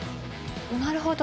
なるほど。